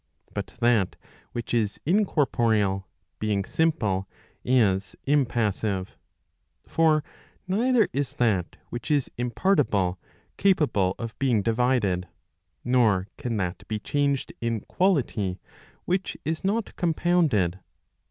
But that which is incorporeal, being simple, is impassive. For neither is that which is impartible, capable of being divided, nor can that be changed in quality which is not compounded.